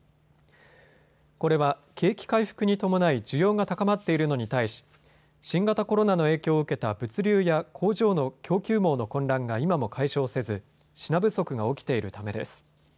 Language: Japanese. これは景気回復に伴い需要が高まっているのに対し新型コロナの影響を受けた物流や工場の供給網の混乱が今も解消せず、品不足が起きているためです。